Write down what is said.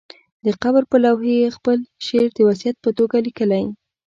د قبر پر لوحې یې خپل شعر د وصیت په توګه لیکلی.